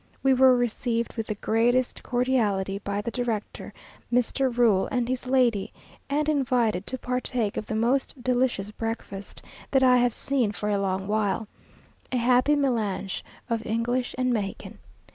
We were received with the greatest cordiality by the director, Mr. Rule, and his lady, and invited to partake of the most delicious breakfast that I have seen for a long while; a happy melange of English and Mexican.